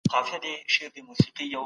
ولي ځيني هیوادونه پلاوی نه مني؟